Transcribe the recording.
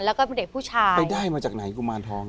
แล้วก็เด็กผู้ชายไปได้มาจากไหนกุมารทอง